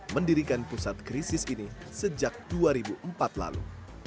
mendirikan pusat krisis ini sejak dua ribu empat lalu